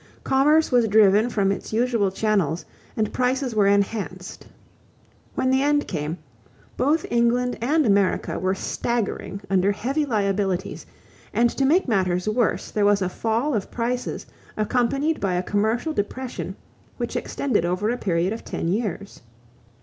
Commerce was driven from its usual channels and prices were enhanced. When the end came, both England and America were staggering under heavy liabilities, and to make matters worse there was a fall of prices accompanied by a commercial depression which extended over a period of ten years.